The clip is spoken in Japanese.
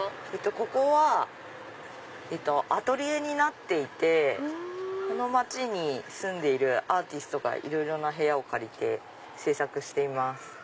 ここはアトリエになっていてこの街に住んでるアーティストがいろいろな部屋を借りて制作しています。